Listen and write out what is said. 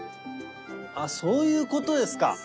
あそういうことですか。